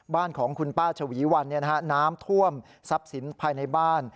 บ้านของคุณป้าชวีวันน้ำท่วมทรัพย์สินภายในบ้าน